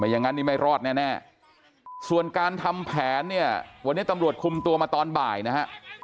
อย่างนั้นนี่ไม่รอดแน่ส่วนการทำแผนเนี่ยวันนี้ตำรวจคุมตัวมาตอนบ่ายนะฮะ